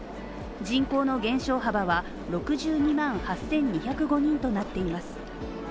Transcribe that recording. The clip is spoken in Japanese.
人口の減少幅は６２万８２０５人となっています。